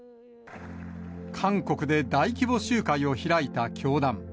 韓国で大規模集会を開いた教団。